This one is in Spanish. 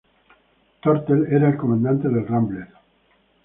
Tortel era el comandante del "Rambler".